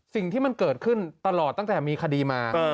สิ่งที่มันเกิดขึ้นตลอดตั้งแต่มีคดีมา